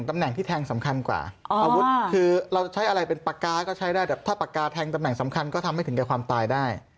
ตำแหน่งที่แทงสำคัญกว่าอาวุธคือเราจะใช้อะไรเป็นปากกาก็ใช้ได้แต่ถ้าปากกาแทงตำแหน่งสำคัญก็ทำให้ถึงแก่ความตายได้